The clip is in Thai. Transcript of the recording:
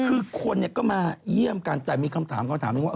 คือคนก็มาเยี่ยมกันแต่มีคำถามคำถามหนึ่งว่า